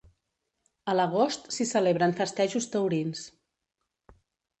A l'agost s'hi celebren festejos taurins.